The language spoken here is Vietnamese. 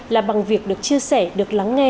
là bằng việc được chia sẻ được lắng nghe